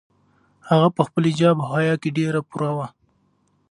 هغه په خپل حجاب او حیا کې ډېره پوره وه.